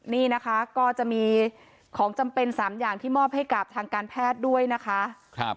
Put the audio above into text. นี่นะคะก็จะมีของจำเป็น๓อย่างที่มอบให้กับทางการแพทย์ด้วยนะคะ